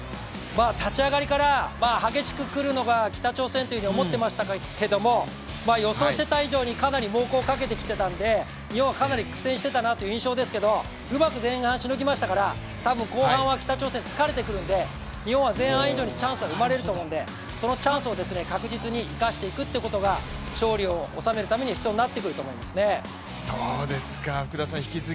立ち上がりから激しく来るのが北朝鮮と思ってましたけど、予想していた以上に、かなり猛攻をかけてきていたので日本はかなり苦戦していたなという印象でしたけど、うまく前半しのぎましたから、多分後半は北朝鮮疲れてくるので、日本は前半以上にチャンスは生まれますのでそのチャンスを確実に生かしていくことが勝利を収めるために必要あざす！